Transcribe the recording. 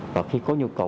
và khi có nhu cầu khác